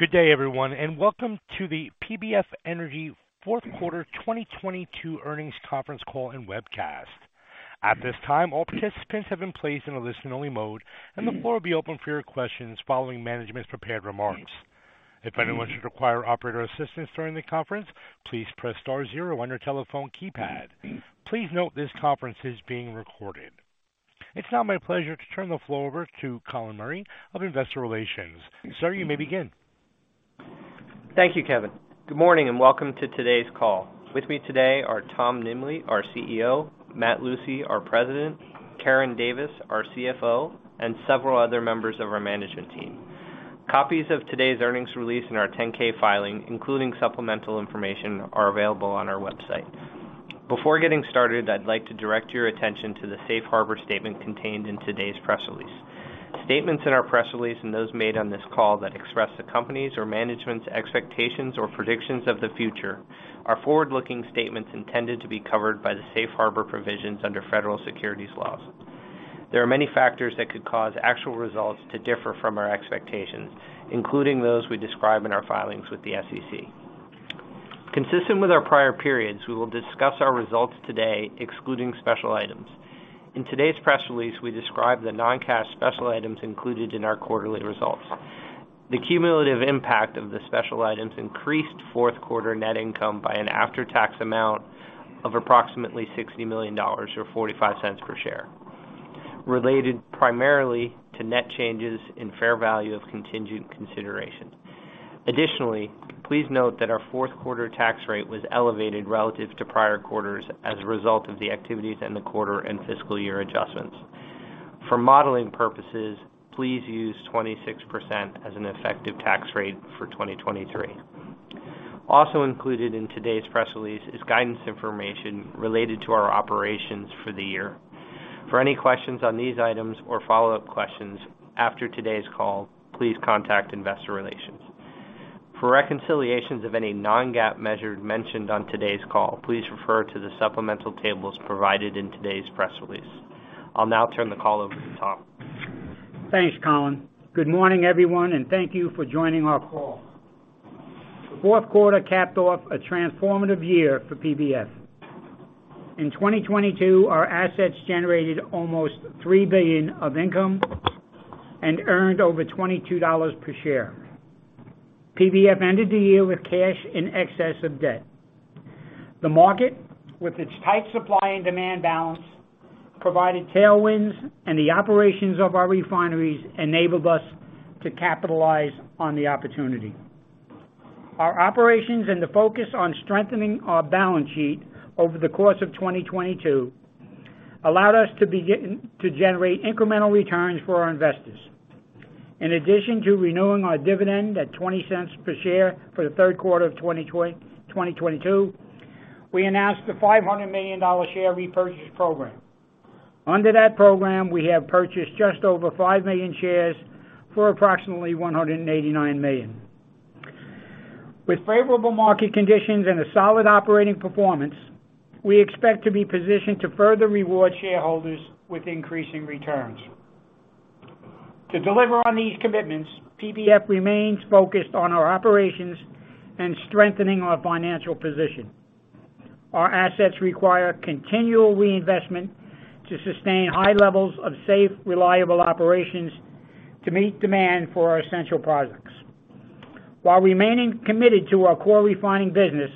Good day, everyone, and welcome to the PBF Energy fourth quarter 2022 earnings conference call and webcast. At this time, all participants have been placed in a listen-only mode, and the floor will be open for your questions following management's prepared remarks. If anyone should require operator assistance during the conference, please press star zero on your telephone keypad. Please note this conference is being recorded. It's now my pleasure to turn the floor over to Colin Murray of Investor Relations. Sir, you may begin. Thank you, Kevin. Good morning, and welcome to today's call. With me today are Tom Nimbley, our CEO, Matt Lucey, our President, Karen Davis, our CFO, and several other members of our management team. Copies of today's earnings release and our 10-K filing, including supplemental information, are available on our website. Before getting started, I'd like to direct your attention to the Safe Harbor statement contained in today's press release. Statements in our press release and those made on this call that express the company's or management's expectations or predictions of the future are forward-looking statements intended to be covered by the Safe Harbor provisions under federal securities laws. There are many factors that could cause actual results to differ from our expectations, including those we describe in our filings with the SEC. Consistent with our prior periods, we will discuss our results today excluding special items. In today's press release, we describe the non-cash special items included in our quarterly results. The cumulative impact of the special items increased fourth quarter net income by an after-tax amount of approximately $60 million or $0.45 per share, related primarily to net changes in fair value of contingent consideration. Additionally, please note that our fourth quarter tax rate was elevated relative to prior quarters as a result of the activities in the quarter and fiscal year adjustments. For modeling purposes, please use 26% as an effective tax rate for 2023. Also included in today's press release is guidance information related to our operations for the year. For any questions on these items or follow-up questions after today's call, please contact investor relations. For reconciliations of any non-GAAP measure mentioned on today's call, please refer to the supplemental tables provided in today's press release. I'll now turn the call over to Tom. Thanks, Colin. Good morning, everyone, and thank you for joining our call. The fourth quarter capped off a transformative year for PBF. In 2022, our assets generated almost $3 billion of income and earned over $22 per share. PBF ended the year with cash in excess of debt. The market, with its tight supply and demand balance, provided tailwinds, and the operations of our refineries enabled us to capitalize on the opportunity. Our operations and the focus on strengthening our balance sheet over the course of 2022 allowed us to generate incremental returns for our investors. In addition to renewing our dividend at $0.20 per share for the third quarter of 2022, we announced a $500 million share repurchase program. Under that program, we have purchased just over 5 million shares for approximately $189 million. With favorable market conditions and a solid operating performance, we expect to be positioned to further reward shareholders with increasing returns. To deliver on these commitments, PBF remains focused on our operations and strengthening our financial position. Our assets require continual reinvestment to sustain high levels of safe, reliable operations to meet demand for our essential products. While remaining committed to our core refining business,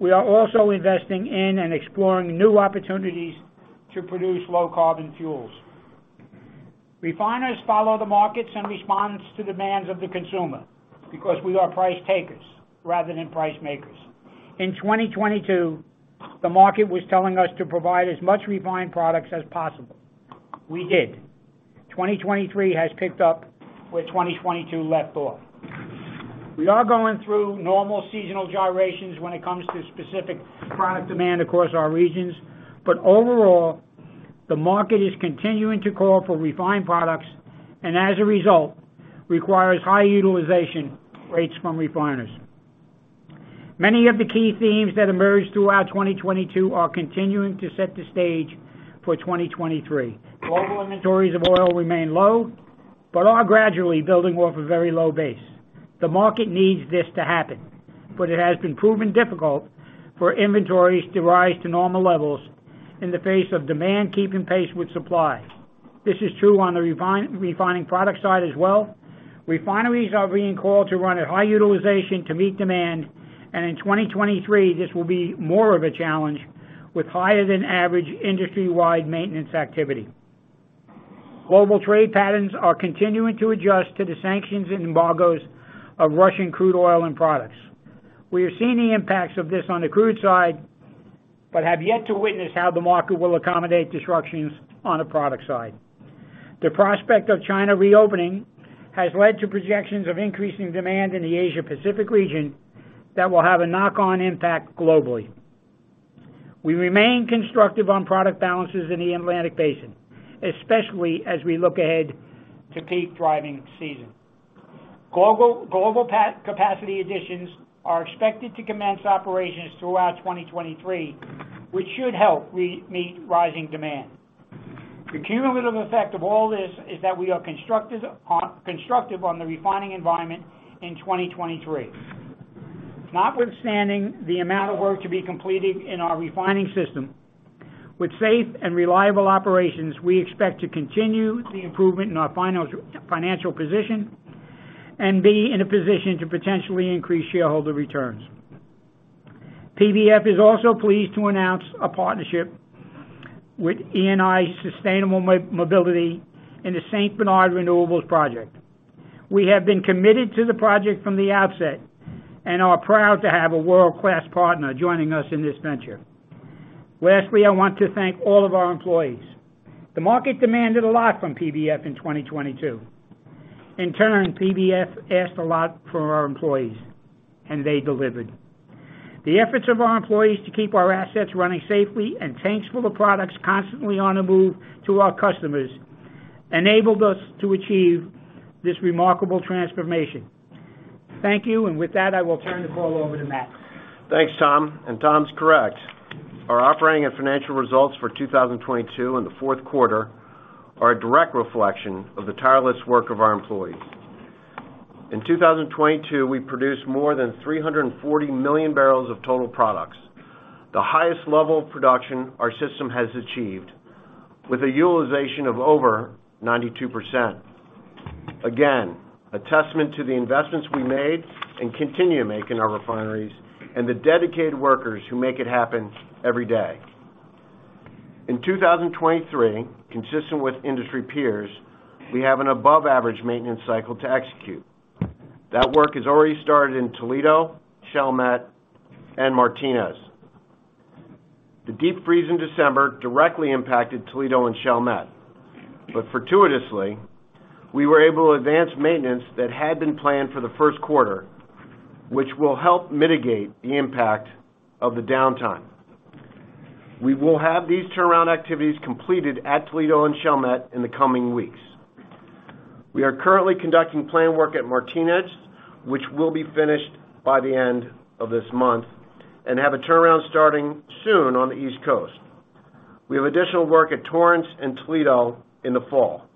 we are also investing in and exploring new opportunities to produce low carbon fuels. Refiners follow the markets and responds to demands of the consumer because we are price takers rather than price makers. In 2022, the market was telling us to provide as much refined products as possible. We did. 2023 has picked up where 2022 left off. We are going through normal seasonal gyrations when it comes to specific product demand across our regions, overall, the market is continuing to call for refined products and as a result, requires high utilization rates from refiners. Many of the key themes that emerged throughout 2022 are continuing to set the stage for 2023. Global inventories of oil remain low, are gradually building off a very low base. The market needs this to happen, it has been proven difficult for inventories to rise to normal levels in the face of demand keeping pace with supply. This is true on the refining product side as well. Refineries are being called to run at high utilization to meet demand, in 2023, this will be more of a challenge with higher than average industry-wide maintenance activity. Global trade patterns are continuing to adjust to the sanctions and embargoes of Russian crude oil and products. We are seeing the impacts of this on the crude side, but have yet to witness how the market will accommodate disruptions on the product side. The prospect of China reopening has led to projections of increasing demand in the Asia-Pacific region that will have a knock-on impact globally. We remain constructive on product balances in the Atlantic Basin, especially as we look ahead to peak driving season. Global capacity additions are expected to commence operations throughout 2023, which should help meet rising demand. The cumulative effect of all this is that we are constructive on the refining environment in 2023. Notwithstanding the amount of work to be completed in our refining system, with safe and reliable operations, we expect to continue the improvement in our financial position and be in a position to potentially increase shareholder returns. PBF is also pleased to announce a partnership with Eni Sustainable Mobility in the St. Bernard Renewables project. We have been committed to the project from the outset and are proud to have a world-class partner joining us in this venture. Lastly, I want to thank all of our employees. The market demanded a lot from PBF in 2022. In turn, PBF asked a lot from our employees and they delivered. The efforts of our employees to keep our assets running safely and tanks full of products constantly on the move to our customers enabled us to achieve this remarkable transformation. Thank you. With that, I will turn the call over to Matt. Thanks, Tom. Tom's correct. Our operating and financial results for 2022 and the 4th quarter are a direct reflection of the tireless work of our employees. In 2022, we produced more than 340 million barrels of total products, the highest level of production our system has achieved with a utilization of over 92%. Again, a testament to the investments we made and continue to make in our refineries and the dedicated workers who make it happen every day. In 2023, consistent with industry peers, we have an above-average maintenance cycle to execute. That work has already started in Toledo, Chalmette, and Martinez. The deep freeze in December directly impacted Toledo and Chalmette, but fortuitously, we were able to advance maintenance that had been planned for the 1st quarter, which will help mitigate the impact of the downtime. We will have these turnaround activities completed at Toledo and Chalmette in the coming weeks. We are currently conducting plan work at Martinez, which will be finished by the end of this month, and have a turnaround starting soon on the East Coast. We have additional work at Torrance and Toledo in the fall.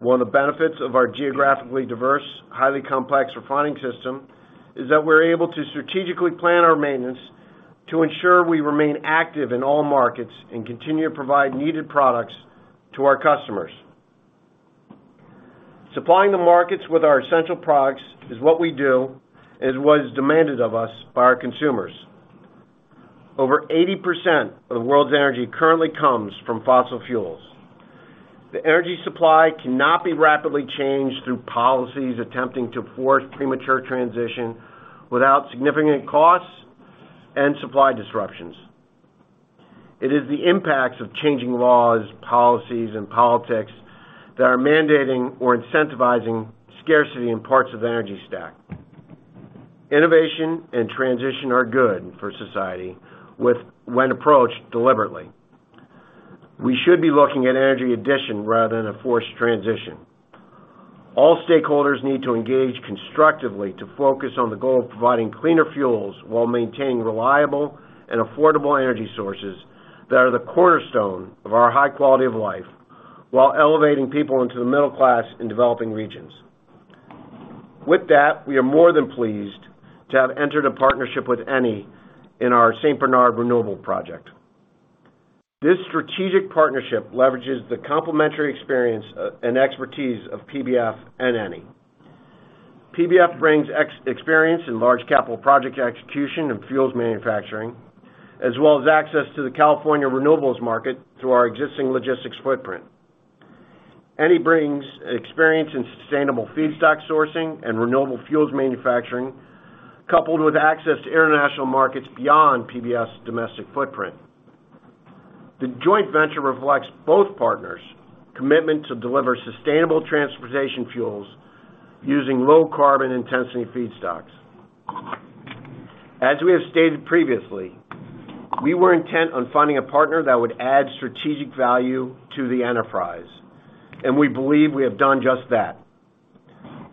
One of the benefits of our geographically diverse, highly complex refining system is that we're able to strategically plan our maintenance to ensure we remain active in all markets and continue to provide needed products to our customers. Supplying the markets with our essential products is what we do, and it is what is demanded of us by our consumers. Over 80% of the world's energy currently comes from fossil fuels. The energy supply cannot be rapidly changed through policies attempting to force premature transition without significant costs and supply disruptions. It is the impacts of changing laws, policies, and politics that are mandating or incentivizing scarcity in parts of the energy stack. Innovation and transition are good for society when approached deliberately. We should be looking at energy addition rather than a forced transition. All stakeholders need to engage constructively to focus on the goal of providing cleaner fuels while maintaining reliable and affordable energy sources that are the cornerstone of our high quality of life while elevating people into the middle class in developing regions. With that, we are more than pleased to have entered a partnership with Eni in our St. Bernard Renewables project. This strategic partnership leverages the complementary experience and expertise of PBF and Eni. PBF brings experience in large capital project execution and fuels manufacturing, as well as access to the California renewables market through our existing logistics footprint. Eni brings experience in sustainable feedstock sourcing and renewable fuels manufacturing, coupled with access to international markets beyond PBF's domestic footprint. The joint venture reflects both partners' commitment to deliver sustainable transportation fuels using low carbon intensity feedstocks. As we have stated previously, we were intent on finding a partner that would add strategic value to the enterprise, and we believe we have done just that.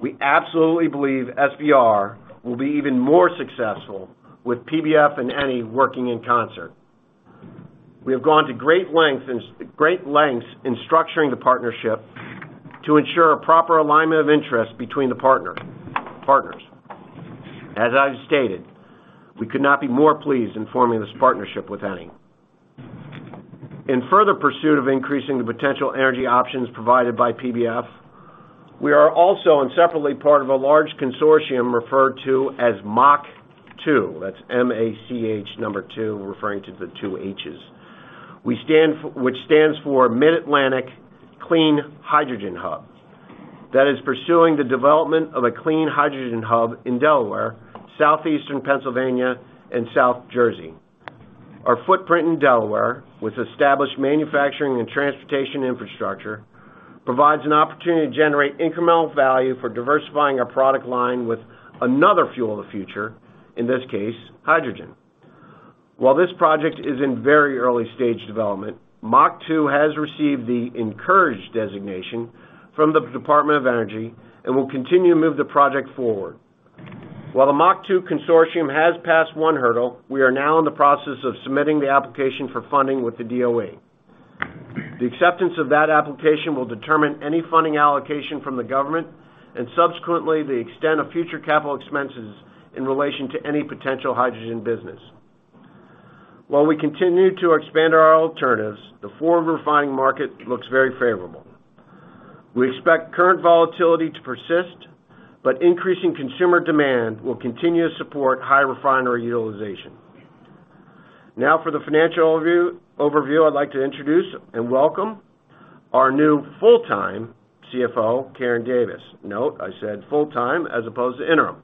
We absolutely believe SBR will be even more successful with PBF and Eni working in concert. We have gone to great lengths in structuring the partnership to ensure a proper alignment of interest between the partners. As I've stated, we could not be more pleased in forming this partnership with Eni. In further pursuit of increasing the potential energy options provided by PBF, we are also and separately part of a large consortium referred to as MACH2. That's M-A-C-H number two, referring to the two Hs. Which stands for Mid-Atlantic Clean Hydrogen Hub that is pursuing the development of a clean hydrogen hub in Delaware, southeastern Pennsylvania, and South Jersey. Our footprint in Delaware, with established manufacturing and transportation infrastructure, provides an opportunity to generate incremental value for diversifying our product line with another fuel of the future, in this case, hydrogen. While this project is in very early stage development, MACH2 has received the encouraged designation from the Department of Energy and will continue to move the project forward. While the MACH2 consortium has passed one hurdle, we are now in the process of submitting the application for funding with the DOE. The acceptance of that application will determine any funding allocation from the government and subsequently the extent of future capital expenses in relation to any potential hydrogen business. While we continue to expand our alternatives, the forward refining market looks very favorable. We expect current volatility to persist, but increasing consumer demand will continue to support high refinery utilization. Now for the financial overview, I'd like to introduce and welcome our new full-time CFO, Karen Davis. Note, I said full-time as opposed to interim.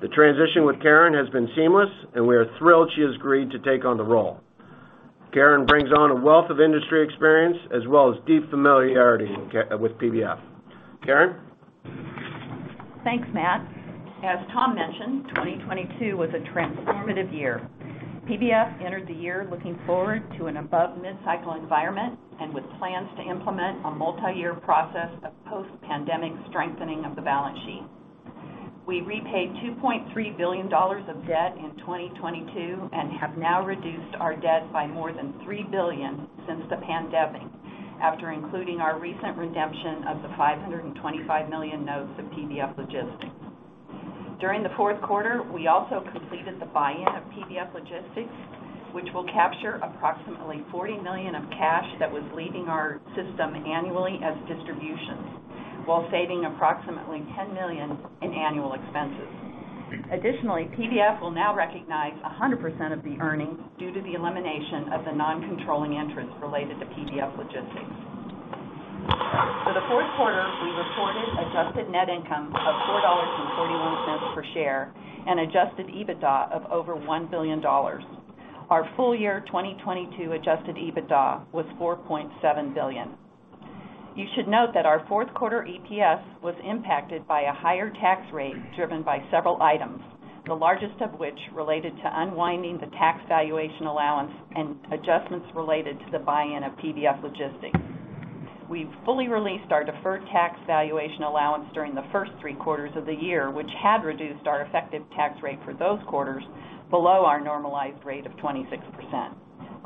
The transition with Karen has been seamless, and we are thrilled she has agreed to take on the role. Karen brings on a wealth of industry experience as well as deep familiarity with PBF. Karen. Thanks, Matt. As Tom mentioned, 2022 was a transformative year. PBF entered the year looking forward to an above mid-cycle environment and with plans to implement a multi-year process of post-pandemic strengthening of the balance sheet. We repaid $2.3 billion of debt in 2022 and have now reduced our debt by more than $3 billion since the pandemic, after including our recent redemption of the $525 million notes of PBF Logistics. During the fourth quarter, we also completed the buy-in of PBF Logistics, which will capture approximately $40 million of cash that was leaving our system annually as distributions while saving approximately $10 million in annual expenses. Additionally, PBF will now recognize 100% of the earnings due to the elimination of the non-controlling interest related to PBF Logistics. For the fourth quarter, we reported adjusted net income of $4.41 per share and Adjusted EBITDA of over $1 billion. Our full year 2022 Adjusted EBITDA was $4.7 billion. You should note that our fourth quarter EPS was impacted by a higher tax rate driven by several items, the largest of which related to unwinding the tax valuation allowance and adjustments related to the buy-in of PBF Logistics. We've fully released our deferred tax valuation allowance during the first three quarters of the year, which had reduced our effective tax rate for those quarters below our normalized rate of 26%.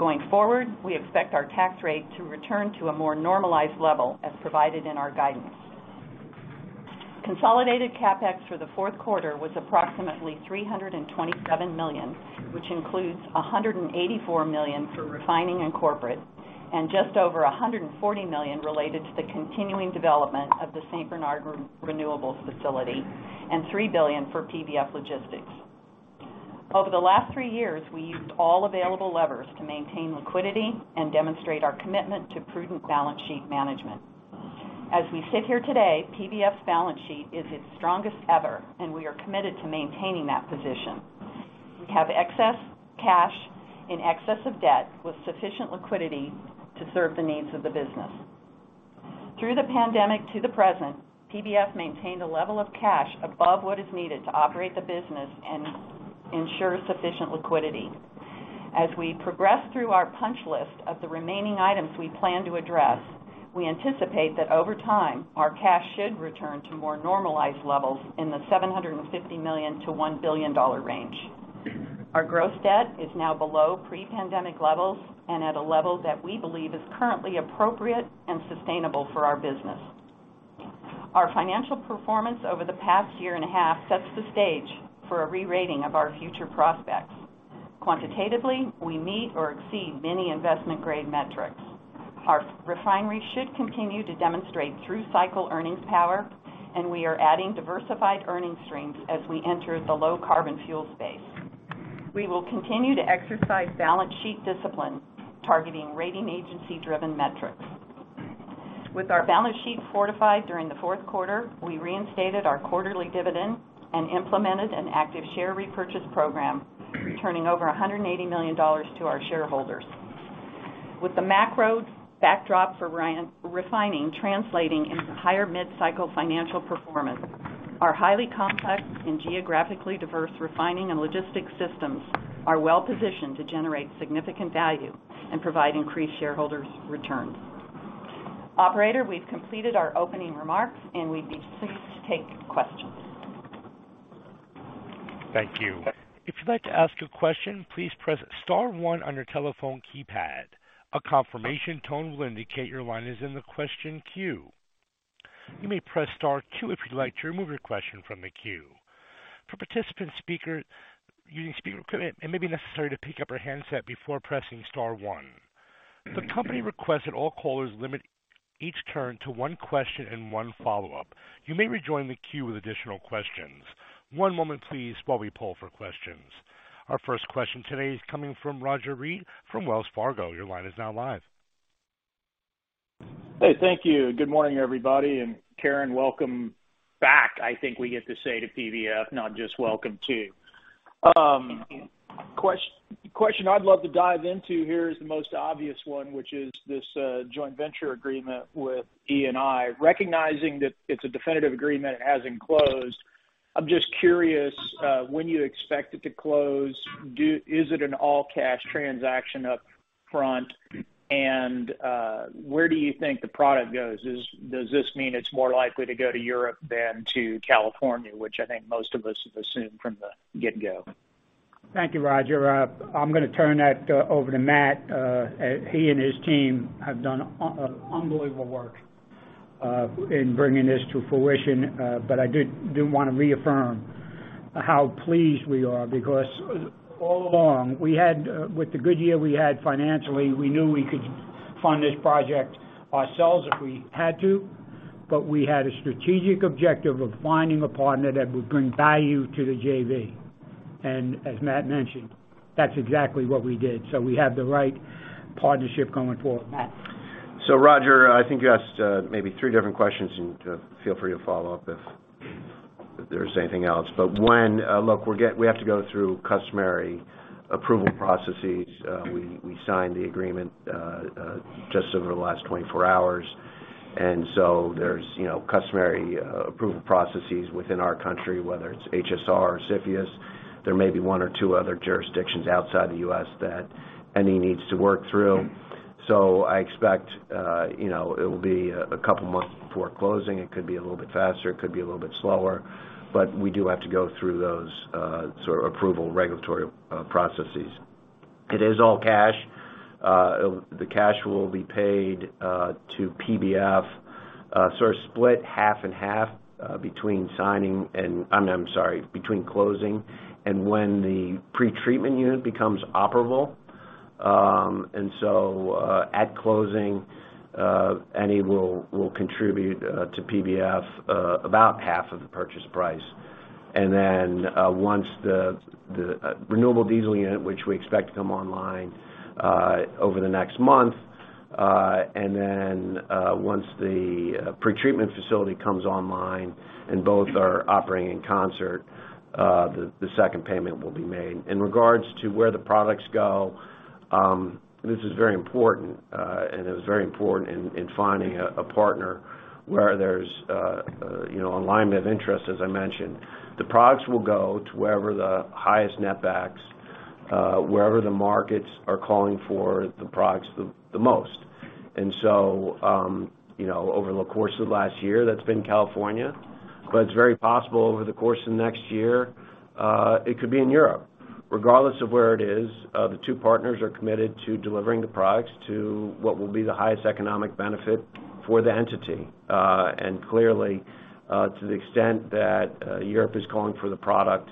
Going forward, we expect our tax rate to return to a more normalized level as provided in our guidance. Consolidated CapEx for the fourth quarter was approximately $327 million, which includes $184 million for refining and corporate, and just over $140 million related to the continuing development of the St. Bernard Renewables facility, and $3 billion for PBF Logistics. Over the last three years, we used all available levers to maintain liquidity and demonstrate our commitment to prudent balance sheet management. As we sit here today, PBF's balance sheet is its strongest ever, and we are committed to maintaining that position. We have excess cash in excess of debt with sufficient liquidity to serve the needs of the business. Through the pandemic to the present, PBF maintained a level of cash above what is needed to operate the business and ensure sufficient liquidity. As we progress through our punch list of the remaining items we plan to address, we anticipate that over time, our cash should return to more normalized levels in the $750 million-$1 billion range. Our gross debt is now below pre-pandemic levels and at a level that we believe is currently appropriate and sustainable for our business. Our financial performance over the past year and a half sets the stage for a re-rating of our future prospects. Quantitatively, we meet or exceed many investment-grade metrics. Our refinery should continue to demonstrate through-cycle earnings power, and we are adding diversified earning streams as we enter the low carbon fuel space. We will continue to exercise balance sheet discipline, targeting rating agency-driven metrics. With our balance sheet fortified during the fourth quarter, we reinstated our quarterly dividend and implemented an active share repurchase program, returning over $180 million to our shareholders. With the macro backdrop for refining translating into higher mid-cycle financial performance, our highly complex and geographically diverse refining and logistics systems are well-positioned to generate significant value and provide increased shareholders return. Operator, we've completed our opening remarks, we'd be pleased to take questions. Thank you. If you'd like to ask a question, please press star one on your telephone keypad. A confirmation tone will indicate your line is in the question queue. You may press star two if you'd like to remove your question from the queue. For participant using speaker, it may be necessary to pick up your handset before pressing star one. The company requests that all callers limit each turn to one question and one follow-up. You may rejoin the queue with additional questions. One moment please while we poll for questions. Our first question today is coming from Roger Read from Wells Fargo. Your line is now live. Hey, thank you. Good morning, everybody. Karen, welcome back. I think we get to say to PBF, not just welcome to. Question I'd love to dive into here is the most obvious one, which is this joint venture agreement with Eni. Recognizing that it's a definitive agreement, it hasn't closed, I'm just curious. When you expect it to close, is it an all-cash transaction up front? Where do you think the product goes? Does this mean it's more likely to go to Europe than to California, which I think most of us have assumed from the get-go? Thank you, Roger. I'm gonna turn that over to Matt. He and his team have done unbelievable work in bringing this to fruition. I do wanna reaffirm how pleased we are, because all along, we had with the good year we had financially, we knew we could fund this project ourselves if we had to, but we had a strategic objective of finding a partner that would bring value to the JV. As Matt mentioned, that's exactly what we did. We have the right partnership going forward. Matt. Roger, I think you asked, maybe three different questions and feel free to follow up if there's anything else. When look, we have to go through customary approval processes. We signed the agreement just over the last 24-hours, there's, you know, customary approval processes within our country, whether it's HSR/CFIUS. There may be one or two other jurisdictions outside the U.S. that Eni needs to work through. I expect, you know, it'll be a couple of months before closing. It could be a little bit faster, it could be a little bit slower, we do have to go through those sort of approval regulatory processes. It is all cash. The cash will be paid to PBF, sort of split half and half, between signing and, I'm sorry, between closing and when the pretreatment unit becomes operable. At closing, Eni will contribute to PBF about half of the purchase price. Once the renewable diesel unit, which we expect to come online over the next month, and then once the pretreatment facility comes online and both are operating in concert, the second payment will be made. In regards to where the products go, this is very important, and it was very important in finding a partner where there's, you know, alignment of interest, as I mentioned. The products will go to wherever the highest net backs, wherever the markets are calling for the products the most. You know, over the course of last year, that's been California. It's very possible over the course of next year, it could be in Europe. Regardless of where it is, the two partners are committed to delivering the products to what will be the highest economic benefit for the entity. Clearly, to the extent that Europe is calling for the product,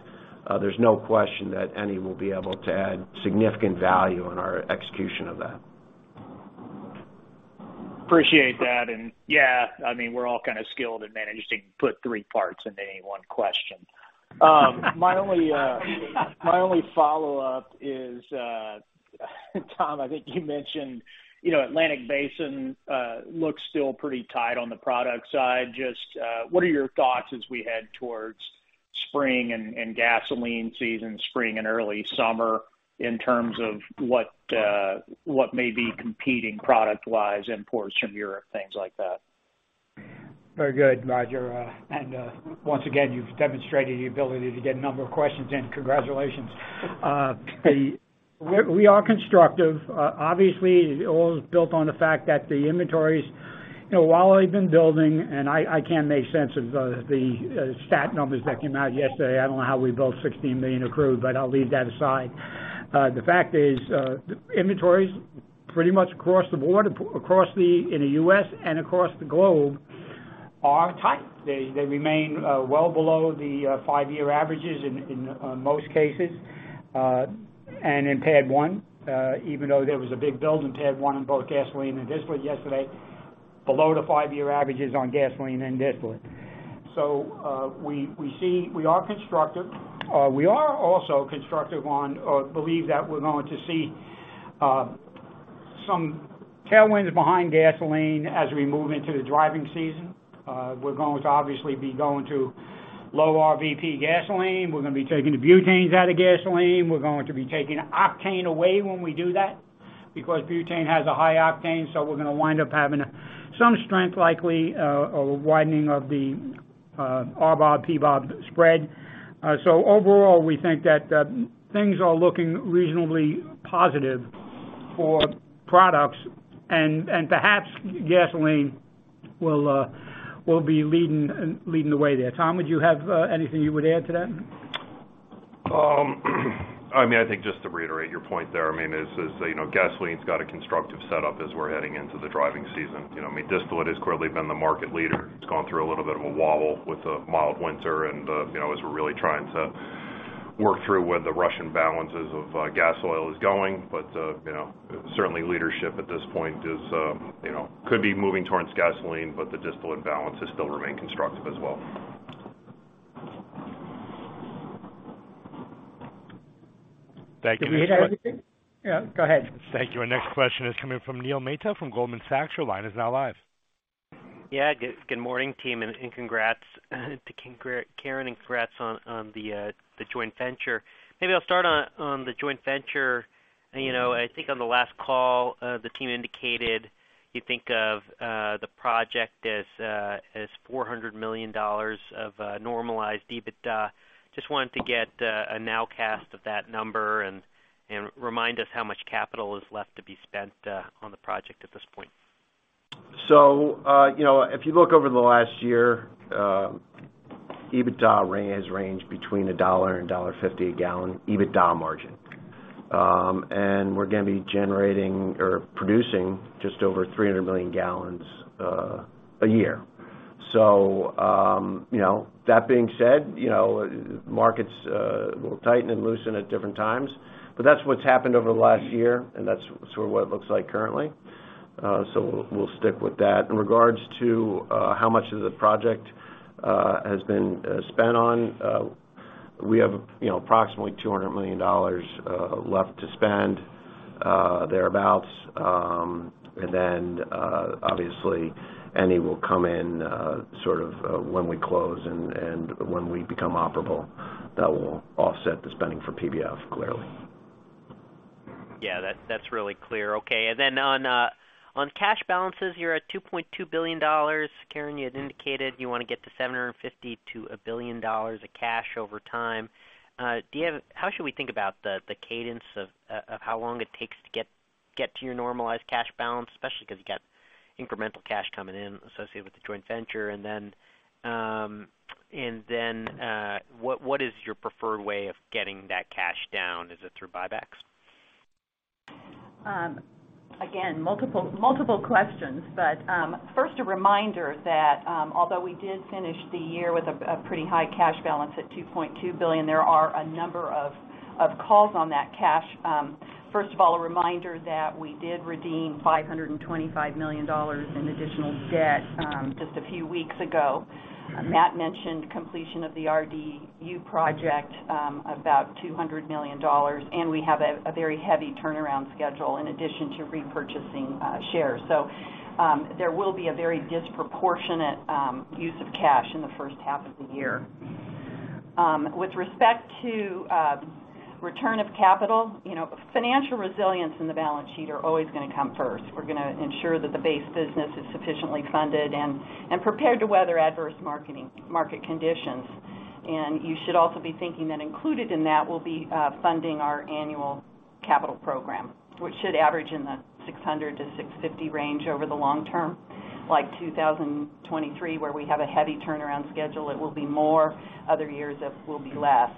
there's no question that Eni will be able to add significant value on our execution of that. Appreciate that. Yeah, I mean, we're all kind of skilled at managing to put three parts into any one question. My only follow-up is, Tom, I think you mentioned, you know, Atlantic Basin looks still pretty tight on the product side. Just what are your thoughts as we head towards spring and gasoline season, spring and early summer, in terms of what what may be competing product-wise, imports from Europe, things like that? Very good, Roger. Once again, you've demonstrated the ability to get a number of questions in. Congratulations. We are constructive. Obviously, all is built on the fact that the inventories, you know, while they've been building, and I can't make sense of the stat numbers that came out yesterday. I don't know how we built 16 million accrued, but I'll leave that aside. The fact is, the inventories pretty much across the board, across the, in the U.S. and across the globe, are tight. They remain well below the 5-year averages in most cases. In PADD 1, even though there was a big build in PADD 1 in both gasoline and distillate yesterday, below the five year averages on gasoline and distillate. We se-- We are constructive. We are also constructive on or believe that we're going to see some tailwinds behind gasoline as we move into the driving season. We're going to obviously be going to low RVP gasoline. We're gonna be taking the butanes out of gasoline. We're going to be taking octane away when we do that, because butane has a high octane. We're gonna wind up having some strength likely, a widening of the RBOB, PBOB spread. Overall, we think that things are looking reasonably positive for products and perhaps gasoline will be leading the way there. Tom, would you have anything you would add to that? I mean, I think just to reiterate your point there, I mean, is that, you know, gasoline's got a constructive setup as we're heading into the driving season. You know, I mean, distillate has clearly been the market leader. It's gone through a little bit of a wobble with the mild winter and the, you know, as we're really trying to work through where the Russian balances of gas oil is going. You know, certainly leadership at this point is, you know, could be moving towards gasoline, but the distillate balance is still remain constructive as well. Thank you. Did we hit everything? Yeah, go ahead. Thank you. Our next question is coming from Neil Mehta from Goldman Sachs. Your line is now live. Yeah. Good, good morning, team, and congrats to Karen, and congrats on the joint venture. Maybe I'll start on the joint venture. You know, I think on the last call, the team indicated. You think of the project as $400 million of normalized EBITDA. Just wanted to get a now cast of that number and remind us how much capital is left to be spent on the project at this point. You know, if you look over the last year, EBITDA has ranged between $1 and $1.50 a gallon EBITDA margin. We're gonna be generating or producing just over 300 million gallons a year. You know, that being said, you know, markets will tighten and loosen at different times. That's what's happened over the last year, and that's sort of what it looks like currently. We'll stick with that. In regards to how much of the project has been spent on, we have, you know, approximately $200 million left to spend thereabouts. Then, obviously, Eni will come in sort of when we close and when we become operable. That will offset the spending for PBF, clearly. Yeah. That, that's really clear. Okay. On cash balances, you're at $2.2 billion. Karen, you had indicated you wanna get to $750 million-$1 billion of cash over time. How should we think about the cadence of how long it takes to get to your normalized cash balance, especially 'cause you've got incremental cash coming in associated with the joint venture? Then, what is your preferred way of getting that cash down? Is it through buybacks? Again, multiple questions. First, a reminder that although we did finish the year with a pretty high cash balance at $2.2 billion, there are a number of calls on that cash. First of all, a reminder that we did redeem $525 million in additional debt just a few weeks ago. Matt Lucey mentioned completion of the RDU project, about $200 million, and we have a very heavy turnaround schedule in addition to repurchasing shares. There will be a very disproportionate use of cash in the first half of the year. With respect to return of capital, you know, financial resilience in the balance sheet are always going to come first. We're gonna ensure that the base business is sufficiently funded and prepared to weather adverse market conditions. You should also be thinking that included in that will be funding our annual capital program, which should average in the $600-$650 range over the long term. Like 2023, where we have a heavy turnaround schedule, it will be more, other years it will be less.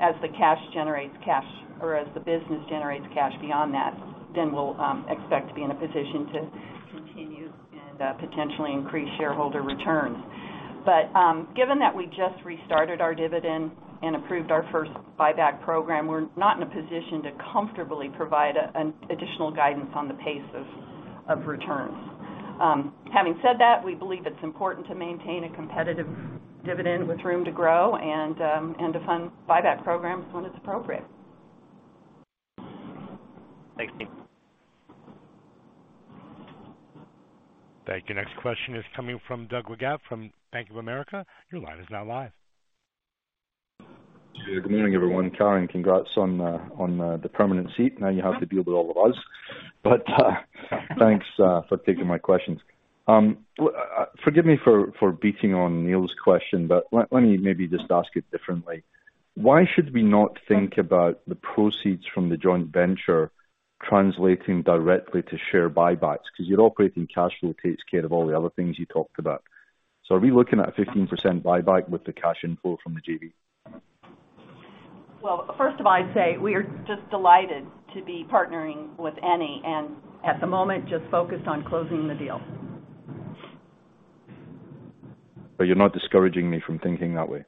As the cash generates cash or as the business generates cash beyond that, then we'll expect to be in a position to continue and potentially increase shareholder returns. Given that we just restarted our dividend and approved our first buyback program, we're not in a position to comfortably provide an additional guidance on the pace of returns. Having said that, we believe it's important to maintain a competitive dividend with room to grow and to fund buyback programs when it's appropriate. Thanks. Thank you. Next question is coming from Doug Leggate from Bank of America. Your line is now live. Good morning, everyone. Karen, congrats on, the permanent seat. Now you have to deal with all of us. Thanks for taking my questions. Forgive me for beating on Neil's question, let me maybe just ask it differently. Why should we not think about the proceeds from the joint venture translating directly to share buybacks? 'Cause your operating cash flow takes care of all the other things you talked about. Are we looking at a 15% buyback with the cash inflow from the JV? Well, first of all, I'd say we are just delighted to be partnering with Eni, and at the moment, just focused on closing the deal. You're not discouraging me from thinking that way?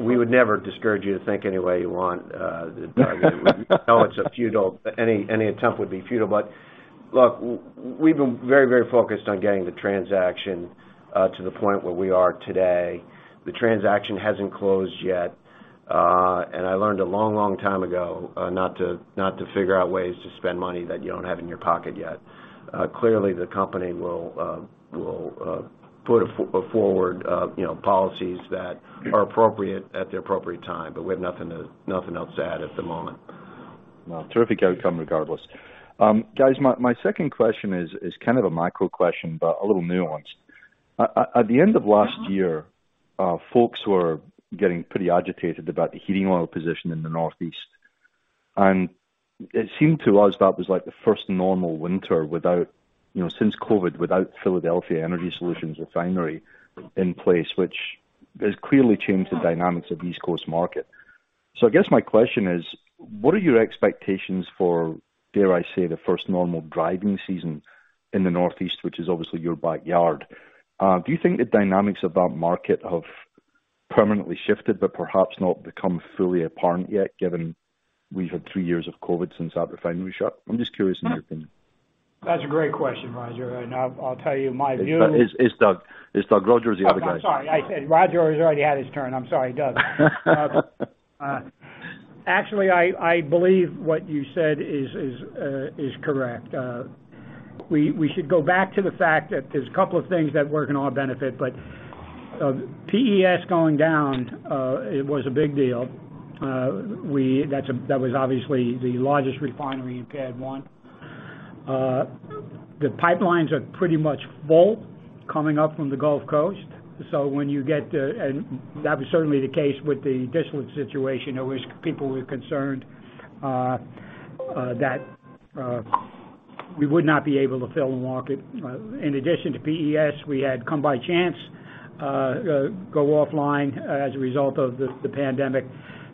We would never discourage you to think any way you want. I mean we know it's a futile. Any attempt would be futile. Look, we've been very, very focused on getting the transaction to the point where we are today. The transaction hasn't closed yet. I learned a long, long time ago not to figure out ways to spend money that you don't have in your pocket yet. Clearly, the company will put a forward, you know, policies that are appropriate at the appropriate time, but we have nothing else to add at the moment. No. Terrific outcome regardless. Guys, my second question is kind of a micro question, but a little nuanced. At the end of last year, folks were getting pretty agitated about the heating oil position in the Northeast. It seemed to us that was like the first normal winter without, you know, since COVID, without Philadelphia Energy Solutions refinery in place, which has clearly changed the dynamics of the East Coast market. I guess my question is: What are your expectations for, dare I say, the first normal driving season in the Northeast, which is obviously your backyard? Do you think the dynamics of that market have permanently shifted but perhaps not become fully apparent yet, given we've had three years of COVID since that refinery shut? I'm just curious in your opinion. That's a great question, Roger. I'll tell you my view. It's Doug. It's Doug. Roger's the other guy. Oh, I'm sorry. I said Roger has already had his turn. I'm sorry, Doug. actually, I believe what you said is correct. We should go back to the fact that there's a couple of things that work in our benefit, but PES going down, it was a big deal. That was obviously the largest refinery in PADD 1. The pipelines are pretty much full coming up from the Gulf Coast. When you get to-- That was certainly the case with the distillate situation, in which people were concerned that we would not be able to fill the market. In addition to PES, we had Come By Chance go offline as a result of the pandemic.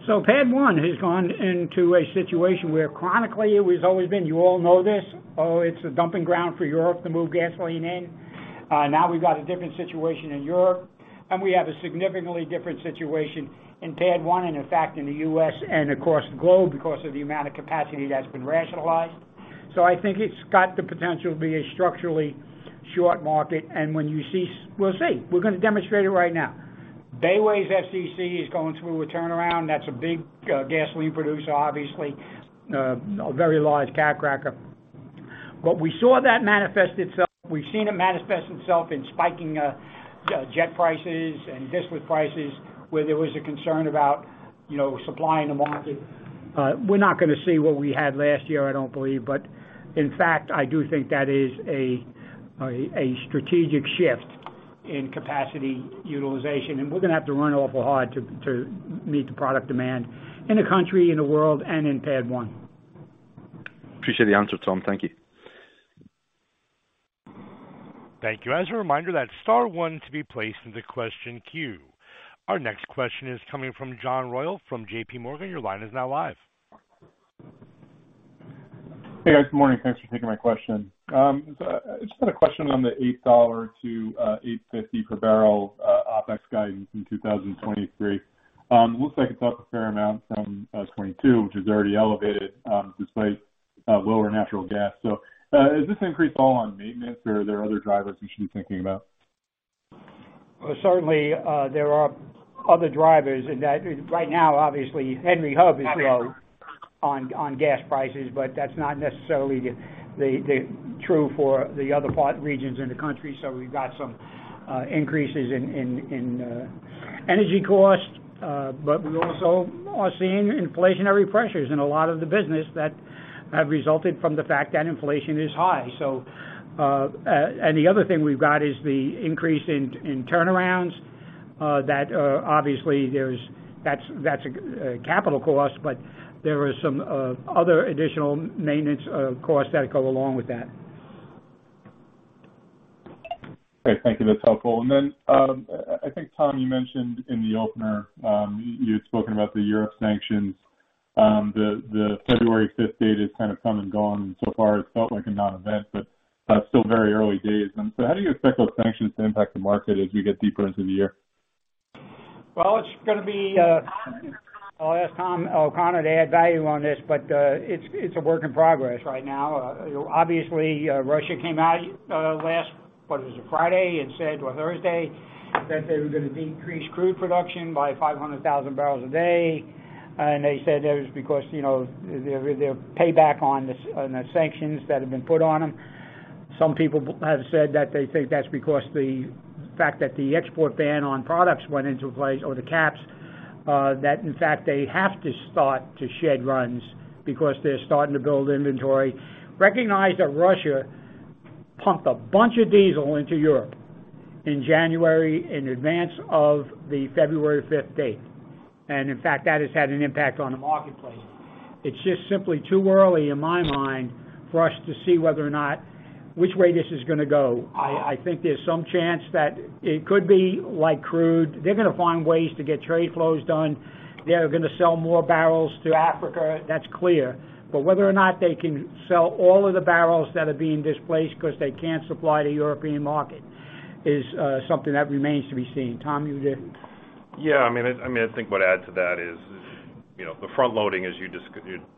PADD 1 has gone into a situation where chronically it has always been, you all know this. It's a dumping ground for Europe to move gasoline in. Now we've got a different situation in Europe, and we have a significantly different situation in PADD 1, and in fact, in the U.S. and across the globe because of the amount of capacity that's been rationalized. I think it's got the potential to be a structurally short market. When you see. We'll see. We're gonna demonstrate it right now. Bayway's FCC is going through a turnaround. That's a big gasoline producer, obviously, a very large cat cracker. We saw that manifest itself. We've seen it manifest itself in spiking, jet prices and distillate prices, where there was a concern about, you know, supplying the market. We're not gonna see what we had last year, I don't believe. In fact, I do think that is a, a strategic shift in capacity utilization. We're gonna have to run awful hard to meet the product demand in the country, in the world, and in PADD 1. Appreciate the answer, Tom. Thank you. Thank you. As a reminder, that's star one to be placed in the question queue. Our next question is coming from John Royall from J.P. Morgan. Your line is now live. Hey, guys. Good morning. Thanks for taking my question. I just had a question on the $8-$8.50 per barrel OPEX guidance in 2023. Looks like it's up a fair amount from 2022, which is already elevated, despite lower natural gas. Is this increase all on maintenance, or are there other drivers we should be thinking about? Well, certainly, there are other drivers. That right now, obviously, Henry Hub is low on gas prices, but that's not necessarily the true for the other regions in the country. We've got some increases in energy costs, but we also are seeing inflationary pressures in a lot of the business that have resulted from the fact that inflation is high, so. The other thing we've got is the increase in turnarounds that obviously that's a capital cost, but there is some other additional maintenance costs that go along with that. Great. Thank you. That's helpful. Then, I think, Tom, you mentioned in the opener, you had spoken about the Europe sanctions. The February 5th date has kind of come and gone, and so far it's felt like a non-event, but still very early days. How do you expect those sanctions to impact the market as we get deeper into the year? Well, it's gonna be, I'll ask Tom O'Connor to add value on this, but, it's a work in progress right now. Obviously, Russia came out last, what was it, Friday and said, or Thursday, that they were gonna decrease crude production by 500,000 barrels a day. They said that was because, you know, their payback on the sanctions that have been put on them. Some people have said that they think that's because the fact that the export ban on products went into place or the caps, that in fact they have to start to shed runs because they're starting to build inventory. Recognize that Russia pumped a bunch of diesel into Europe in January in advance of the February 5th date. In fact, that has had an impact on the marketplace. It's just simply too early in my mind for us to see whether or not which way this is gonna go. I think there's some chance that it could be like crude. They're gonna find ways to get trade flows done. They're gonna sell more barrels to Africa, that's clear. Whether or not they can sell all of the barrels that are being displaced because they can't supply the European market is something that remains to be seen. Tom, you did. Yeah, I mean, I think what adds to that is, you know, the front-loading, as you,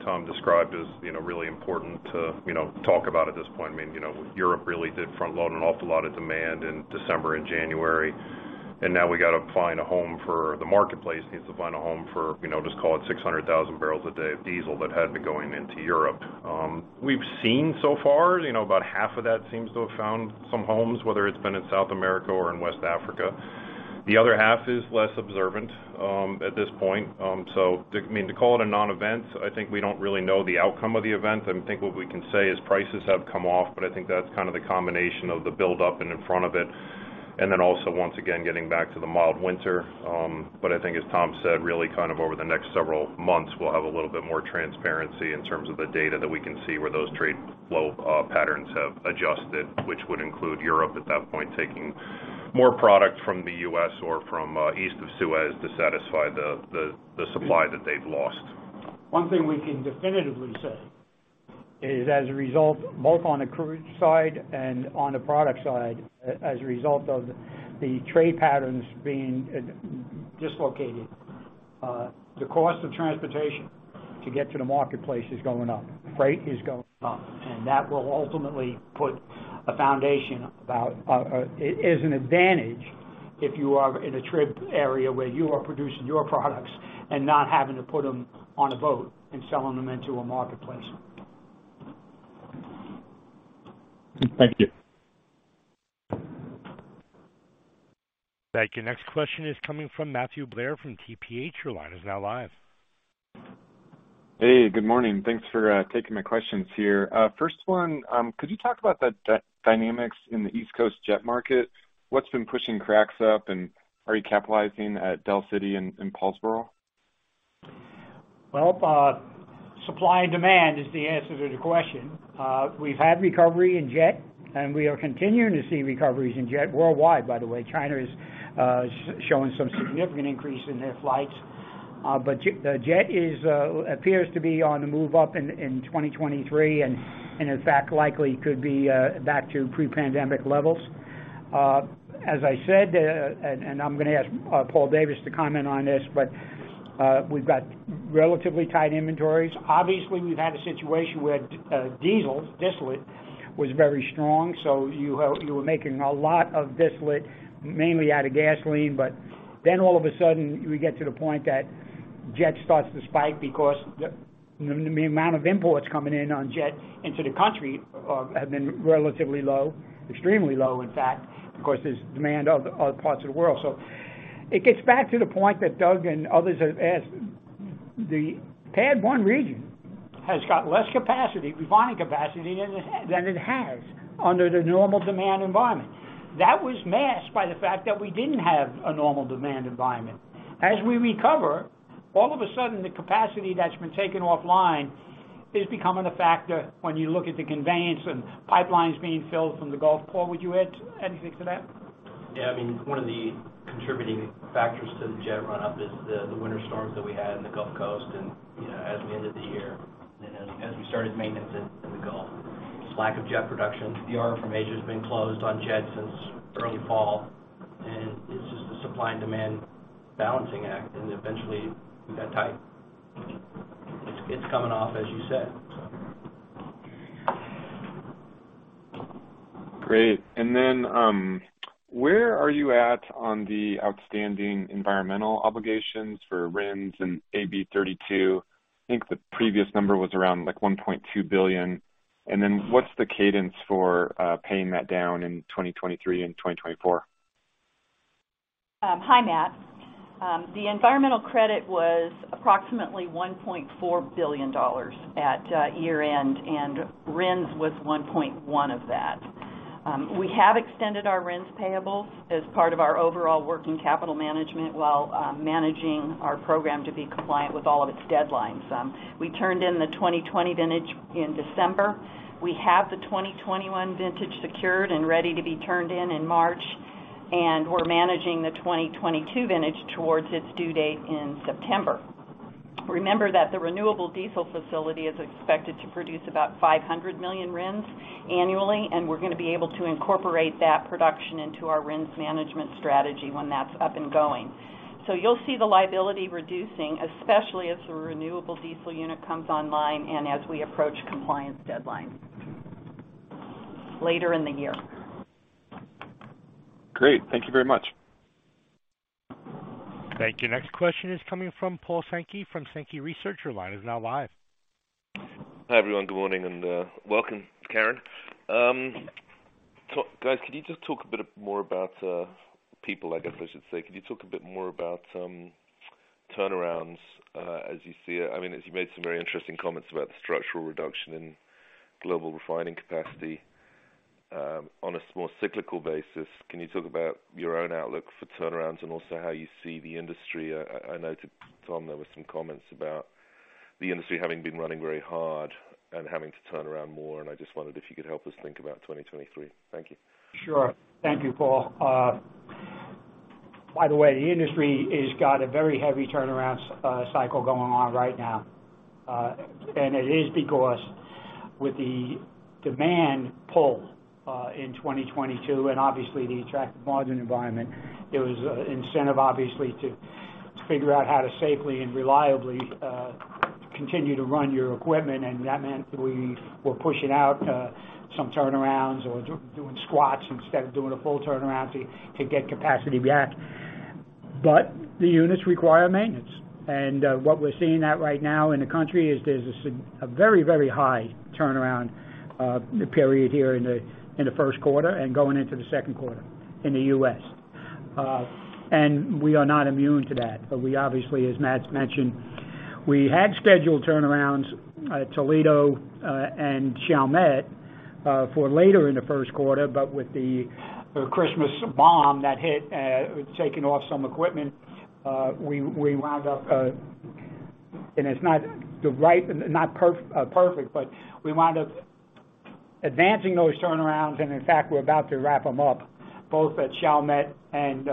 Tom, described is, you know, really important to, you know, talk about at this point. I mean, you know, Europe really did front-load an awful lot of demand in December and January. Now the marketplace needs to find a home for, you know, just call it 600,000 barrels a day of diesel that had been going into Europe. We've seen so far, you know, about half of that seems to have found some homes, whether it's been in South America or in West Africa. The other half is less observant at this point. I mean, to call it a non-event, I think we don't really know the outcome of the event. I think what we can say is prices have come off, but I think that's kind of the combination of the buildup and in front of it, and then also once again getting back to the mild winter. I think as Tom said, really kind of over the next several months, we'll have a little bit more transparency in terms of the data that we can see where those trade flow patterns have adjusted, which would include Europe at that point taking more product from the U.S. or from east of Suez to satisfy the supply that they've lost. One thing we can definitively say is, as a result, both on the crude side and on the product side, as a result of the trade patterns being dislocated, the cost of transportation to get to the marketplace is going up. Freight is going up. That will ultimately put a foundation about as an advantage if you are in a trip area where you are producing your products and not having to put them on a boat and selling them into a marketplace. Thank you. Thank you. Next question is coming from Matthew Blair from TPH. Your line is now live. Hey, good morning. Thanks for taking my questions here. First one, could you talk about the dynamics in the East Coast jet market? What's been pushing cracks up, and are you capitalizing at Delaware City and Paulsboro? Well, supply and demand is the answer to the question. We've had recovery in jet, we are continuing to see recoveries in jet worldwide by the way. China is showing some significant increase in their flights. The jet is, appears to be on the move up in 2023 and in fact, likely could be back to pre-pandemic levels. As I said, I'm gonna ask Paul Davis to comment on this, we've got relatively tight inventories. Obviously, we've had a situation where diesel, distillate was very strong, you were making a lot of distillate mainly out of gasoline. All of a sudden, we get to the point that jet starts to spike because the amount of imports coming in on jet into the country have been relatively low, extremely low in fact, because there's demand other parts of the world. It gets back to the point that Doug and others have asked. The PADD 1 region has got less capacity, refining capacity than it has under the normal demand environment. That was masked by the fact that we didn't have a normal demand environment. As we recover, all of a sudden, the capacity that's been taken offline is becoming a factor when you look at the conveyance and pipelines being filled from the Gulf. Paul, would you add anything to that? Yeah. I mean, one of the contributing factors to the jet run-up is the winter storms that we had in the Gulf Coast and, you know, as we ended the year and as we started maintenance in the Gulf. It's lack of jet production. PR from Asia has been closed on jet since early fall, and it's just the supply and demand balancing act, and eventually, we got tight. It's coming off, as you said. Great. Where are you at on the outstanding environmental obligations for RINs and AB32? I think the previous number was around, like, $1.2 billion. What's the cadence for paying that down in 2023 and 2024? Hi, Matt. The environmental credit was approximately $1.4 billion at year-end, and RINs was $1.1 billion of that. We have extended our RINs payable as part of our overall working capital management while managing our program to be compliant with all of its deadlines. We turned in the 2020 vintage in December. We have the 2021 vintage secured and ready to be turned in in March, and we're managing the 2022 vintage towards its due date in September. Remember that the renewable diesel facility is expected to produce about 500 million RINs annually, and we're gonna be able to incorporate that production into our RINs management strategy when that's up and going. You'll see the liability reducing, especially as the renewable diesel unit comes online and as we approach compliance deadlines later in the year. Great. Thank you very much. Thank you. Next question is coming from Paul Sankey from Sankey Research. Your line is now live. Hi, everyone. Good morning and welcome, Karen. Guys, can you just talk a bit more about people, I guess I should say. Can you talk a bit more about turnarounds as you see it? I mean, as you made some very interesting comments about the structural reduction in global refining capacity. On a more cyclical basis, can you talk about your own outlook for turnarounds and also how you see the industry? I noted, Tom, there were some comments about the industry having been running very hard and having to turn around more, and I just wondered if you could help us think about 2023. Thank you. Sure. Thank you, Paul. By the way, the industry has got a very heavy turnaround cycle going on right now. It is because with the demand pull in 2022 and obviously the attractive margin environment, it was incentive obviously to figure out how to safely and reliably continue to run your equipment, and that meant we were pushing out some turnarounds or doing squats instead of doing a full turnaround to get capacity back. The units require maintenance. What we're seeing that right now in the country is there's a very high turnaround period here in the first quarter and going into the second quarter in the U.S. We are not immune to that. We obviously, as Matt's mentioned, we had scheduled turnarounds at Toledo and Chalmette for later in the first quarter. With the Christmas bomb that hit, taking off some equipment, we wound up. It's not the right, not perfect, but we wound up advancing those turnarounds, and in fact, we're about to wrap them up, both at Chalmette and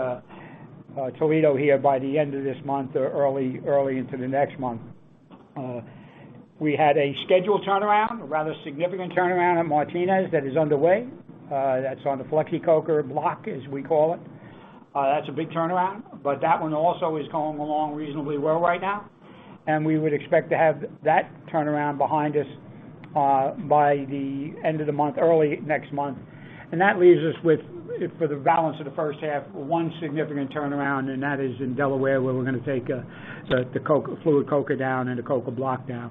Toledo here by the end of this month or early into the next month. We had a scheduled turnaround, a rather significant turnaround at Martinez that is underway. That's on the Flexicoker block as we call it. That's a big turnaround, but that one also is going along reasonably well right now, and we would expect to have that turnaround behind us. By the end of the month, early next month. That leaves us with, for the balance of the first half, one significant turnaround, and that is in Delaware, where we're gonna take the fluid coker down and the coker block down.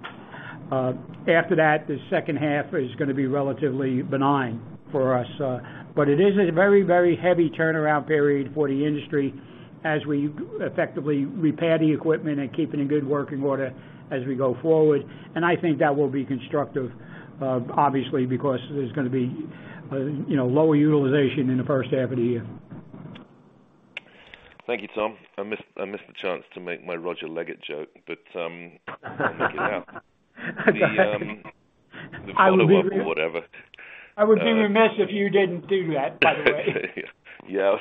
After that, the second half is gonna be relatively benign for us. It is a very, very heavy turnaround period for the industry as we effectively repair the equipment and keep it in good working order as we go forward. I think that will be constructive, obviously, because there's gonna be, you know, lower utilization in the first half of the year. Thank you, Tom. I missed the chance to make my Roger Read joke, but I'll make it up. I would The follow-up or whatever. I would be remiss if you didn't do that, by the way. Well,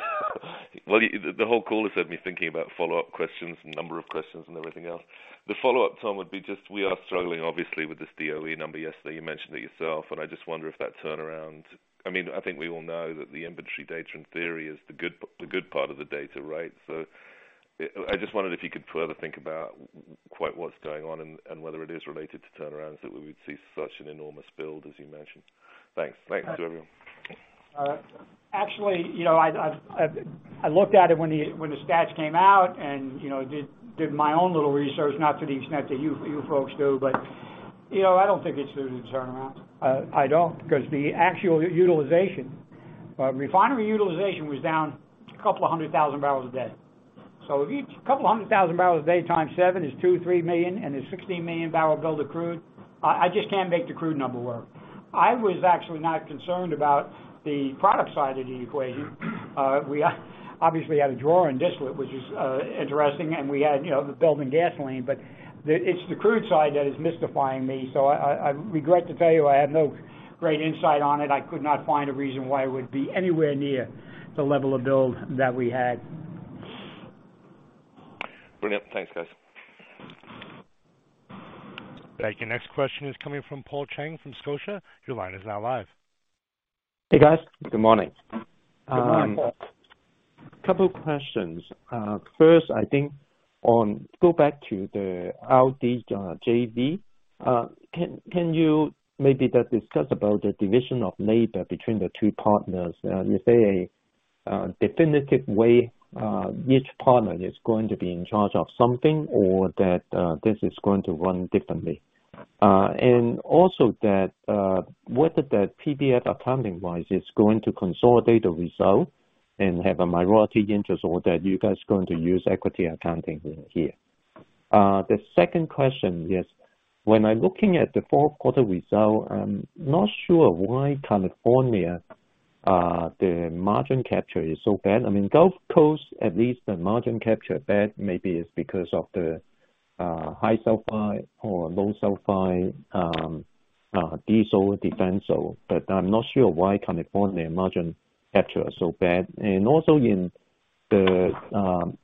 the whole call has had me thinking about follow-up questions and number of questions and everything else. The follow-up, Tom, would be just we are struggling obviously with this DOE number. Yesterday, you mentioned it yourself, and I just wonder if that turnaround. I mean, I think we all know that the inventory data in theory is the good part of the data, right? I just wondered if you could further think about quite what's going on and whether it is related to turnarounds that we would see such an enormous build as you mentioned. Thanks. Thanks, everyone. Actually, you know, I've I looked at it when the, when the stats came out and, you know, did my own little research, not to the extent that you folks do. You know, I don't think it's due to the turnaround. I don't because the actual utilization, refinery utilization was down a couple of 100,000 barrels a day. If each couple of 100,000 barrels a day times seven is 2 million-3 million and there's 16 million barrel build of crude, I just can't make the crude number work. I was actually not concerned about the product side of the equation. We obviously had a draw on distillate, which is interesting, and we had, you know, the build in gasoline. It's the crude side that is mystifying me. I regret to tell you, I have no great insight on it. I could not find a reason why it would be anywhere near the level of build that we had. Brilliant. Thanks, guys. Thank you. Next question is coming from Paul Cheng from Scotiabank. Your line is now live. Hey, guys. Good morning. Good morning, Paul. Couple questions. First, go back to the LD JV. Can you maybe just discuss about the division of labor between the two partners? Is there a definitive way each partner is going to be in charge of something or that this is going to run differently? Also that whether the PBF accounting-wise is going to consolidate the result and have a minority interest, or that you guys are going to use equity accounting here. The second question is, when I'm looking at the fourth quarter result, I'm not sure why California the margin capture is so bad. I mean, Gulf Coast, at least the margin capture bad maybe is because of the high sulfur or low sulfur diesel defense. I'm not sure why California margin capture is so bad. Also, in the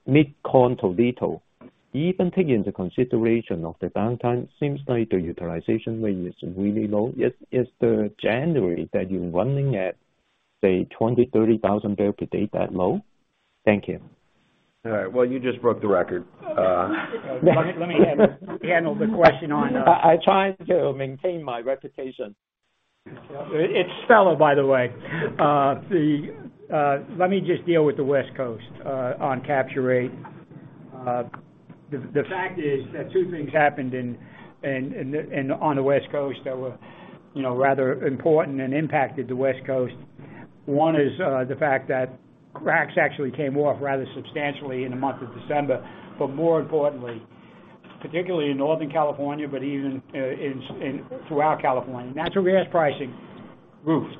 mid-con Toledo, even taking into consideration of the downtime, seems like the utilization rate is really low. Is the January that you're running at, say, 20,000-30,000 barrel per day that low? Thank you. All right. Well, you just broke the record. Let me handle the question on. I tried to maintain my reputation. It's fellow, by the way. Let me just deal with the West Coast on capture rate. The fact is that two things happened on the West Coast that were, you know, rather important and impacted the West Coast. One is, the fact that cracks actually came off rather substantially in the month of December. More importantly, particularly in Northern California, but even throughout California, natural gas pricing rose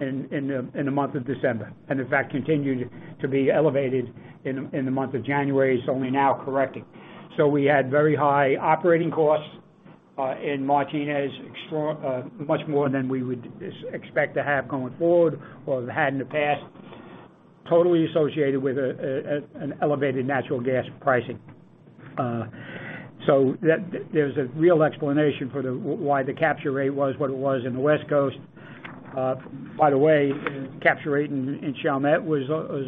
in the month of December, and in fact, continued to be elevated in the month of January. It's only now correcting. We had very high operating costs in Martinez, much more than we would expect to have going forward or had in the past, totally associated with an elevated natural gas pricing. There's a real explanation for why the capture rate was what it was in the West Coast. By the way, capture rate in Chalmette was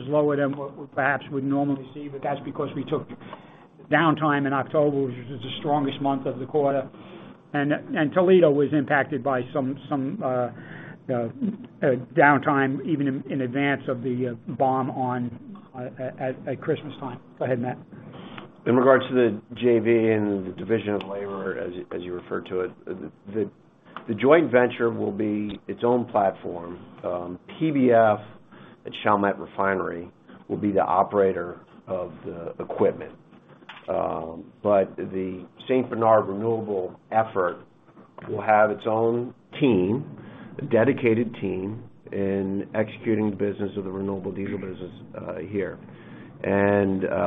lower than what we perhaps would normally see, but that's because we took downtime in October, which was the strongest month of the quarter. Toledo was impacted by some downtime even in advance of the ban on at Christmas time. Go ahead, Matt. In regards to the JV and the division of labor, as you referred to it, the joint venture will be its own platform. PBF at Chalmette Refinery will be the operator of the equipment. The St. Bernard Renewables effort will have its own team, a dedicated team in executing the business of the renewable diesel business here.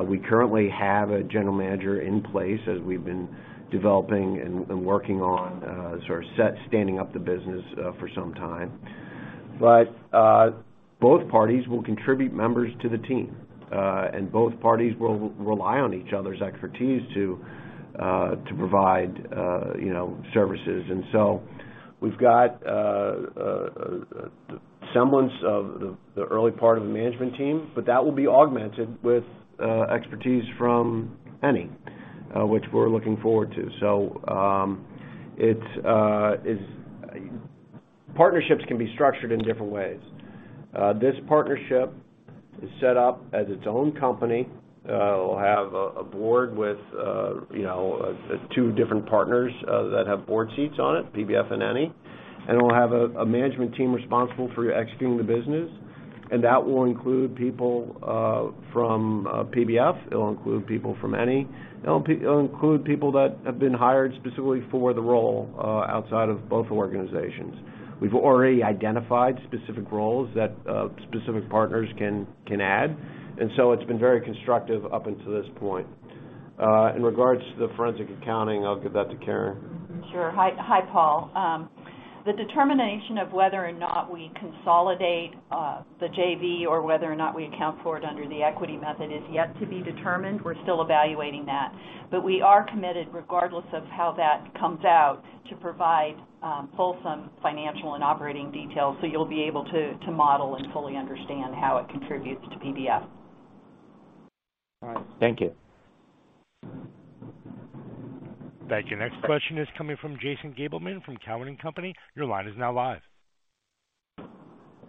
We currently have a general manager in place as we've been developing and working on sort of standing up the business for some time. Both parties will contribute members to the team and both parties will rely on each other's expertise to provide, you know, services. We've got a semblance of the early part of the management team, but that will be augmented with expertise from Eni, which we're looking forward to. Partnerships can be structured in different ways. This partnership is set up as its own company. It'll have a board with, you know, two different partners that have board seats on it, PBF and Eni. It will have a management team responsible for executing the business, and that will include people from PBF. It'll include people from Eni. It'll include people that have been hired specifically for the role outside of both organizations. We've already identified specific roles that specific partners can add. It's been very constructive up until this point. In regards to the forensic accounting, I'll give that to Karen. Sure. Hi, Paul. The determination of whether or not we consolidate the JV or whether or not we account for it under the equity method is yet to be determined. We're still evaluating that. We are committed, regardless of how that comes out, to provide fulsome financial and operating details, so you'll be able to model and fully understand how it contributes to PBF. All right. Thank you. Thank you. Next question is coming from Jason Gabelman from Cowen and Company. Your line is now live.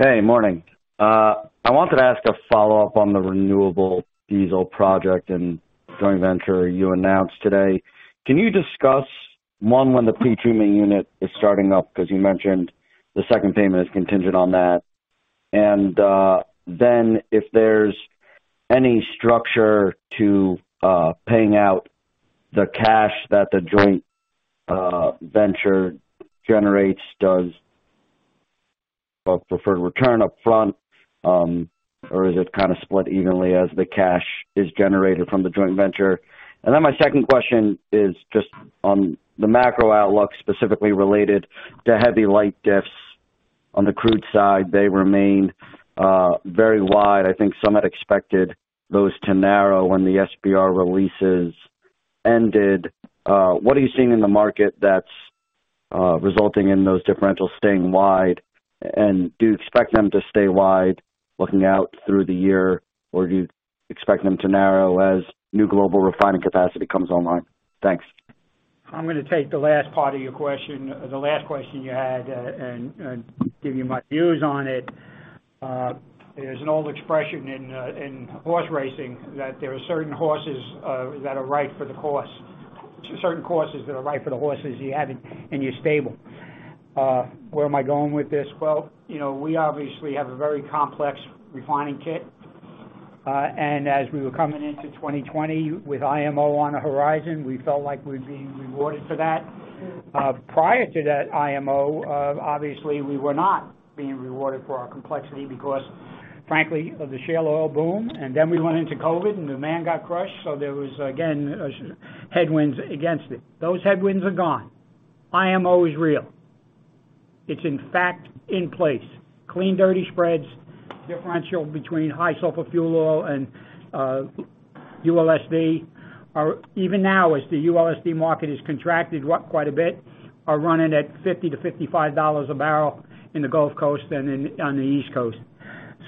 Hey, morning. I wanted to ask a follow-up on the renewable diesel project and joint venture you announced today. Can you discuss, one, when the pretreatment unit is starting up? Because you mentioned the second payment is contingent on that. If there's any structure to paying out the cash that the joint venture generates, does preferred return upfront, or is it kind of split evenly as the cash is generated from the joint venture? My second question is just on the macro outlook, specifically related to heavy light diffs. On the crude side, they remain very wide. I think some had expected those to narrow when the SPR releases ended. What are you seeing in the market that's resulting in those differentials staying wide? Do you expect them to stay wide looking out through the year, or do you expect them to narrow as new global refining capacity comes online? Thanks. I'm gonna take the last part of your question, the last question you had, and give you my views on it. There's an old expression in horse racing that there are certain horses that are right for the course. Certain courses that are right for the horses you have in your stable. Where am I going with this? Well, you know, we obviously have a very complex refining kit. As we were coming into 2020 with IMO on the horizon, we felt like we were being rewarded for that. Prior to that IMO, obviously, we were not being rewarded for our complexity because, frankly, of the shale oil boom, and then we went into COVID and demand got crushed, so there was again, headwinds against it. Those headwinds are gone. IMO is real. It's in fact in place. Clean dirty spreads, differential between high sulfur fuel oil and ULSD are even now, as the ULSD market has contracted quite a bit, are running at $50-$55 a barrel in the Gulf Coast and on the East Coast.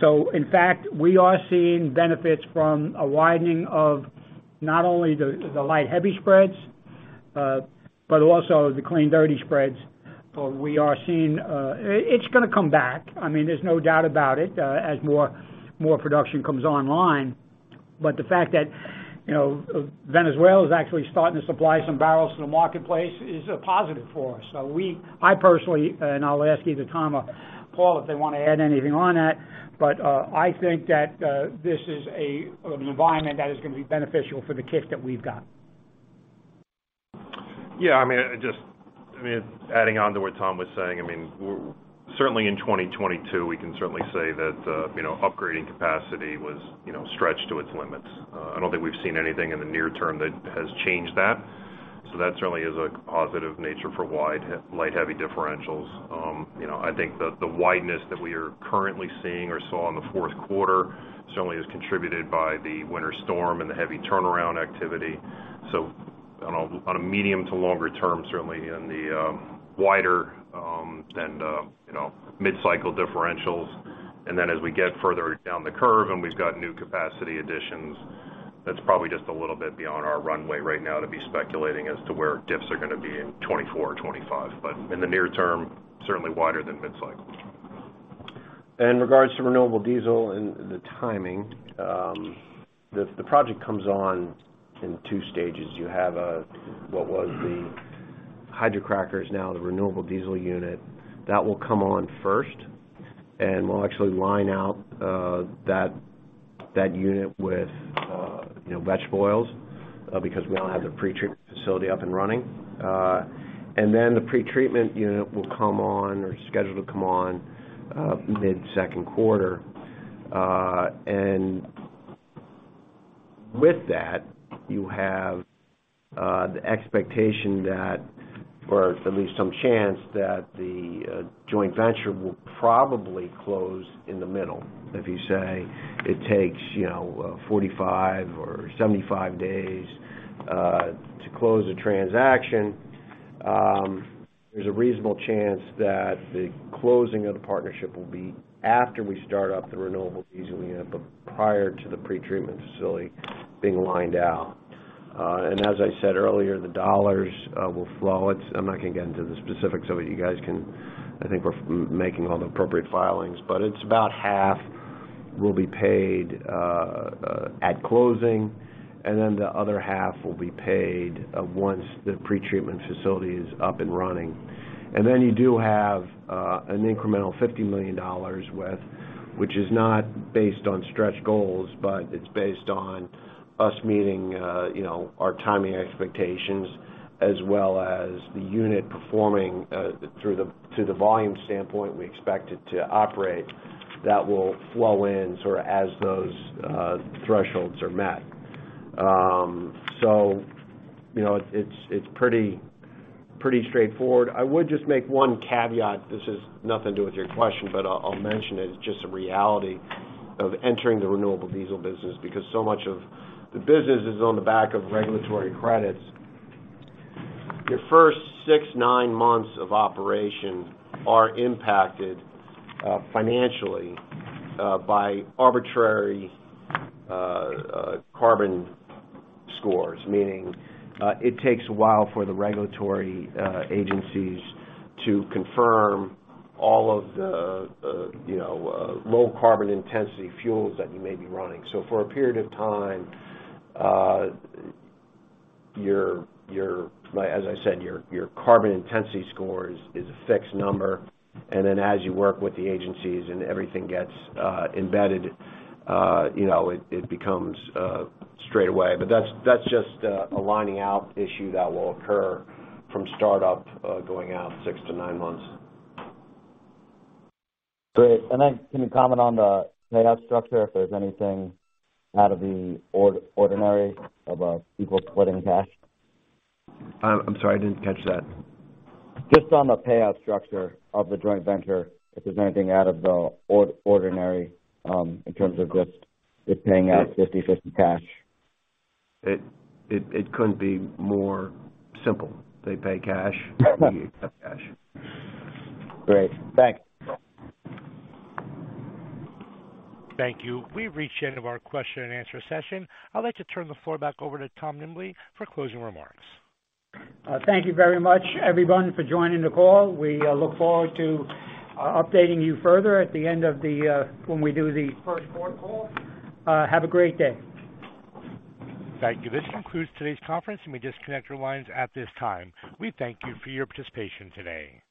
In fact, we are seeing benefits from a widening of not only the light heavy spreads, but also the clean dirty spreads. We are seeing. It's gonna come back, I mean, there's no doubt about it, as more production comes online. The fact that, you know, Venezuela is actually starting to supply some barrels to the marketplace is a positive for us. I personally, and I'll ask either Tom or Paul if they wanna add anything on that, but, I think that, this is an environment that is gonna be beneficial for the kit that we've got. Yeah, I mean, just, I mean, adding on to what Tom was saying, I mean, certainly in 2022, we can certainly say that, you know, upgrading capacity was, you know, stretched to its limits. I don't think we've seen anything in the near term that has changed that. That certainly is a positive nature for wide light heavy differentials. You know, I think the wideness that we are currently seeing or saw in the fourth quarter certainly is contributed by the winter storm and the heavy turnaround activity. On a, on a medium to longer term, certainly in the wider and, you know, mid-cycle differentials. As we get further down the curve and we've got new capacity additions, that's probably just a little bit beyond our runway right now to be speculating as to where diffs are gonna be in 2024 or 2025. In the near term, certainly wider than mid-cycle. In regards to renewable diesel and the timing, the project comes on in two stages. You have what was the hydrocracker is now the renewable diesel unit. That will come on first, and we'll actually line out that unit with, you know, vegetable oils, because we don't have the pretreatment facility up and running. The pretreatment unit will come on or is scheduled to come on mid-second quarter. With that, you have the expectation that, or at least some chance, that the joint venture will probably close in the middle. If you say it takes, you know, 45 or 75 days to close a transaction, there's a reasonable chance that the closing of the partnership will be after we start up the renewable diesel unit, but prior to the pretreatment facility being lined out. As I said earlier, the dollars will flow. I'm not gonna get into the specifics of it. You guys can. I think we're making all the appropriate filings, but it's about half will be paid at closing, and then the other half will be paid once the pretreatment facility is up and running. You do have an incremental $50 million with, which is not based on stretch goals, but it's based on us meeting, you know, our timing expectations as well as the unit performing through the volume standpoint we expect it to operate. That will flow in sort of as those thresholds are met. You know, it's pretty straightforward. I would just make one caveat. This has nothing to do with your question, but I'll mention it. It's just a reality of entering the renewable diesel business because so much of the business is on the back of regulatory credits. Your first six, nine months of operation are impacted financially by arbitrary carbon scores, meaning it takes a while for the regulatory agencies to confirm all of the, you know, low carbon intensity fuels that you may be running. For a period of time, As I said, your carbon intensity score is a fixed number, and then as you work with the agencies and everything gets embedded, you know, it becomes straight away. That's just a lining out issue that will occur from startup, going out six to nine months. Great. Can you comment on the payout structure if there's anything out of the ordinary about people splitting cash? I'm sorry, I didn't catch that. Just on the payout structure of the joint venture, if there's anything out of the ordinary, in terms of just paying out 50/50 cash. It couldn't be more simple. They pay cash, we accept cash. Great. Thanks. Thank you. We've reached the end of our question and answer session. I'd like to turn the floor back over to Tom Nimbley for closing remarks. Thank you very much, everyone, for joining the call. We look forward to updating you further at the end of the when we do the first quarter call. Have a great day. Thank you. This concludes today's conference. We disconnect your lines at this time. We thank you for your participation today.